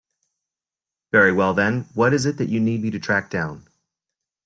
Very well then, what is it that you need me to track down?